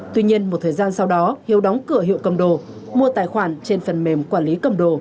tuy nhiên một thời gian sau đó hiếu đóng cửa hiệu cầm đồ mua tài khoản trên phần mềm quản lý cầm đồ